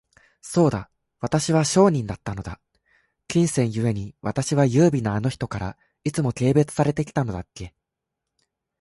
そうだ、私は商人だったのだ。金銭ゆえに、私は優美なあの人から、いつも軽蔑されて来たのだっけ。